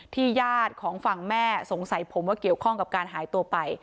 ญาติของฝั่งแม่สงสัยผมว่าเกี่ยวข้องกับการหายตัวไป